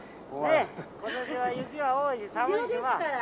ねっ今年は雪が多いし寒いから。